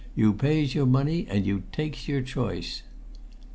"You pays your money and you takes your choice."